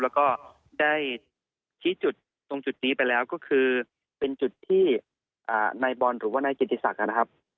แล้วก็ได้ชี้จุดตรงจุดนี้ไปแล้วก็คือเป็นจุดที่นายบอลหรือว่านายเกียรติศักดิ์นะครับ